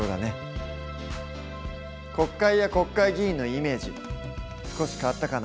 国会や国会議員のイメージ少し変わったかな？